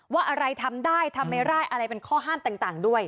ว่าอะไรทำได้ทำไม่ได้อะไรเป็นข้อห้ามต่างด้วย